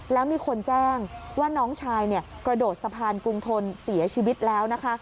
แล้วมีคนแจ้งว่าน้องชายกระโดดสะพานกรุงทนเสียชีวิตแล้วนะคะ